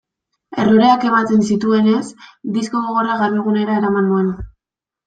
Erroreak ematen zituenez, disko gogorra Garbigunera eraman nuen.